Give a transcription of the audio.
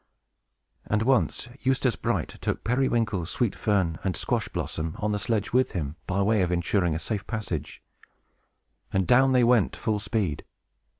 And, once, Eustace Bright took Periwinkle, Sweet Fern, and Squash Blossom, on the sledge with him, by way of insuring a safe passage; and down they went, full speed.